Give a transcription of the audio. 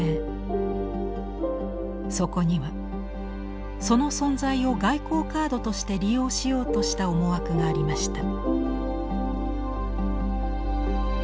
そこにはその存在を外交カードとして利用しようとした思惑がありました。